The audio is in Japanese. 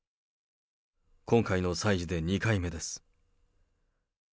今回の催事で２回目です。